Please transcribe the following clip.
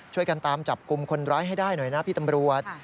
ช่วยกันตามจับกลุ่มคนร้ายให้ได้หน่อยนะพี่ตำรวจ